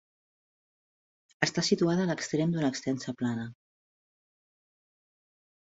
Està situada a l'extrem d'una extensa plana.